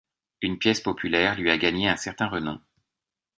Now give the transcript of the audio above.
Une pièce populaire lui a gagné un certain renom.